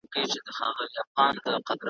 د هغه په وینا